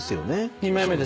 ２枚目です。